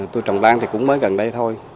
tôi trồng lan thì cũng mới gần đây thôi